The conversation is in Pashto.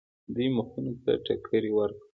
دوی مخونو ته ټکرې ورکړل.